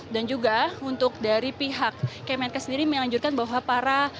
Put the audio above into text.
dan juga untuk dari pihak kemenkes sendiri melanjutkan bahwa para